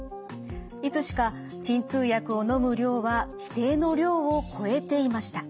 いつしか鎮痛薬をのむ量は規定の量を超えていました。